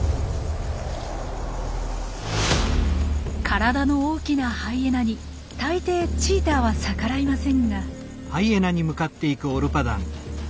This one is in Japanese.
体の大きなハイエナに大抵チーターは逆らいませんが。